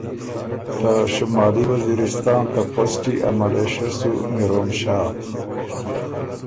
ته شمالي وزیرستان ته پسټی ا ملېشه سُو میروم شاه